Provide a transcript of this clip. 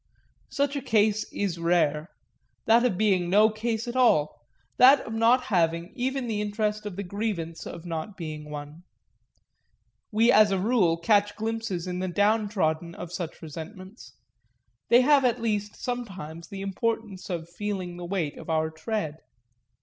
Such a case is rare that of being no case at all, that of not having even the interest of the grievance of not being one: we as a rule catch glimpses in the down trodden of such resentments they have at least sometimes the importance of feeling the weight of our tread.